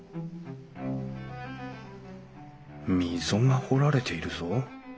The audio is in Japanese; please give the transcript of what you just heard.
溝が彫られているぞ。